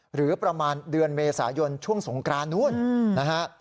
หรือประมาณเดือนเมษายนช่วงสงกรานนู้นนะฮะ